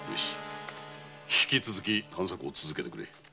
引き続き探索を続けてくれ。